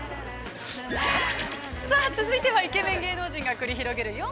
◆さあ続いては、イケメン芸能人が繰り広げる